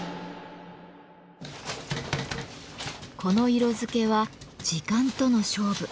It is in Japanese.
この色付けは時間との勝負。